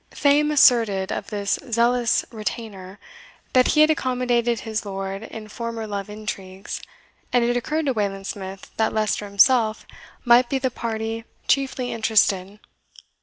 Fame asserted of this zealous retainer that he had accommodated his lord in former love intrigues; and it occurred to Wayland Smith that Leicester himself might be the party chiefly interested.